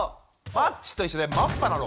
マッチと一緒で「マッパ」なのかな？